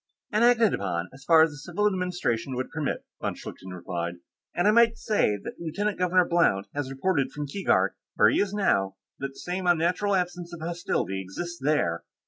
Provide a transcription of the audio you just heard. "And acted upon, as far as the civil administration would permit," von Schlichten replied. "And I might say that Lieutenant Governor Blount has reported from Keegark, where he is now, that the same unnatural absence of hostility exists there."